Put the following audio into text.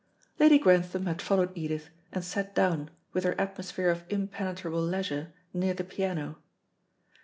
Lady Grantham had followed Edith, and sat down, with her atmosphere of impenetrable leisure, near the piano.